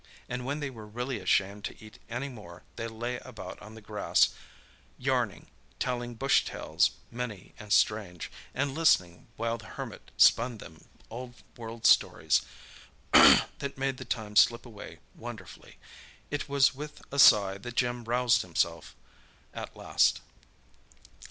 And when they were really ashamed to eat any more they lay about on the grass, yarning, telling bush tales many and strange, and listening while the Hermit spun them old world stories that made the time slip away wonderfully. It was with a sigh that Jim roused himself at last.